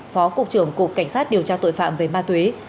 phó cục trưởng cục cảnh sát điều tra tội phạm về ma túy